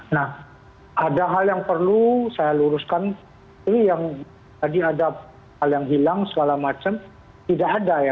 nah ada hal yang perlu saya luruskan ini yang tadi ada hal yang hilang segala macam tidak ada ya